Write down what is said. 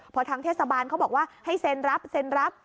พอทางเทศบาลเขาบอกว่าให้เซ็นรับเซ็นรับ